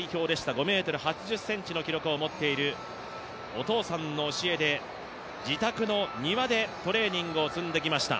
５ｍ８０ｃｍの記録を持っているお父さんの教えで、自宅の庭でトレーニングを積んできました。